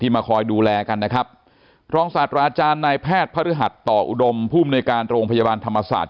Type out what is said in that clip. มาคอยดูแลกันนะครับรองศาสตราอาจารย์นายแพทย์พระฤหัสต่ออุดมภูมิในการโรงพยาบาลธรรมศาสตร์